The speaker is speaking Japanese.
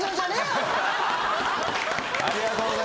ありがとうございます。